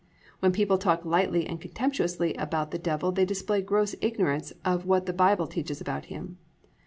When people talk lightly and contemptuously about the Devil they display gross ignorance of what the Bible teaches about him.